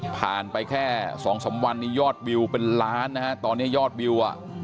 ผ่านไป๒๓วันนี้ยอดวิวเป็นล้านตอนนี้ยอดวิว